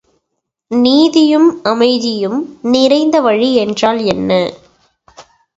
நீதியும் அமைதியும் நிறைந்த வழி என்றால் என்ன?